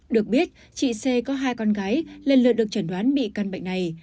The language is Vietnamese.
được biết chị xê có hai con gái lần lượt được chẩn đoán bị căn bệnh này